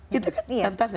gitu kan tantangan